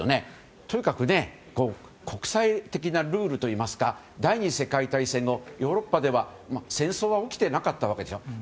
とにかく国際的なルールといいますか第２次世界大戦後ヨーロッパでは戦争は起きていなかったわけですよ。